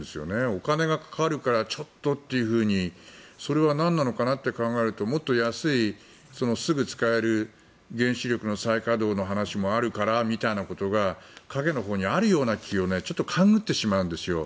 お金がかかるからちょっととそれは何なのかなって考えるともっと安い、すぐ使える原子力の再稼働の話もあるからみたいなことが陰のほうにあるような気がちょっと勘繰ってしまうんです。